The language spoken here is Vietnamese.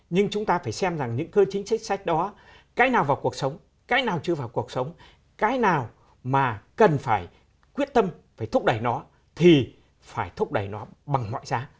nhưng chúng ta phải xem rằng những cơ chế chính sách đó cái nào vào cuộc sống cái nào chưa vào cuộc sống cái nào mà cần phải quyết tâm phải thúc đẩy nó thì phải thúc đẩy nó bằng mọi giá